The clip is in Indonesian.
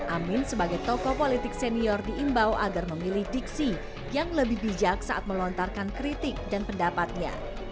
amin sebagai tokoh politik senior diimbau agar memilih diksi yang lebih bijak saat melontarkan kritik dan pendapatnya